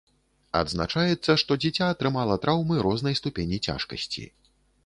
Адзначаецца, што дзіця атрымала траўмы рознай ступені цяжкасці.